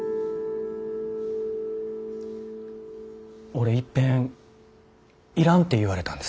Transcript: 俺いっぺん要らんて言われたんです。